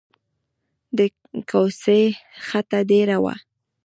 د کوڅې خټه ډېره وه.